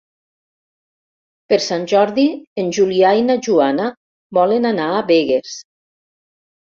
Per Sant Jordi en Julià i na Joana volen anar a Begues.